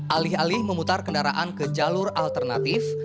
alih alih memutar kendaraan ke jalur alternatif